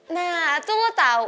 nah tuh lo tau